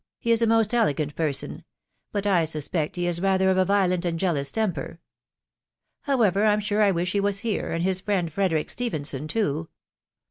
he is a most elegant person ; but I suspect he is rather of a violent and jealous temper. .•. However, I'm sure I wish he was here, and his friend Fre derick Stephenson too. ••.